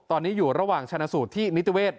ตอนนี้อยู่ระหว่างชนะสูตรที่นิติเวศ